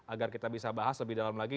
agar kita bisa bahas lebih dalam lagi